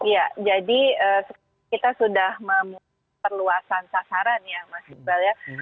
ya jadi kita sudah memperluasan sasaran ya mas iqbal ya